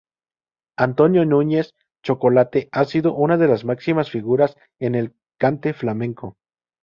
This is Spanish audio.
Antonio Nuñez "Chocolate", ha sido una de las máximas figuras en el Cante Flamenco.